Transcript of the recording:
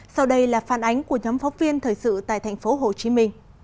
sau đây là phản ánh của nhóm phóng viên thời sự tại tp hcm